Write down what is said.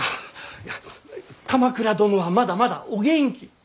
鎌倉殿はまだまだお元気。